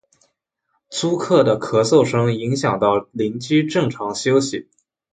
租客的咳嗽声影响到邻居正常休息